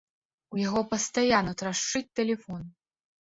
У яго пастаянна трашчыць тэлефон.